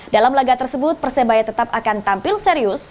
dalam laga tersebut persebaya tetap akan tampil serius